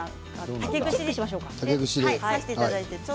竹串差していただいて。